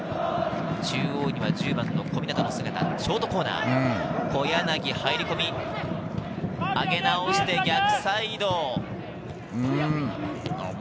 中央には１０番の小湊の姿、ショートコーナー、小柳入り込み、上げ直して逆サイド。